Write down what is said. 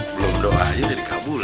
belum doanya udah dikabulin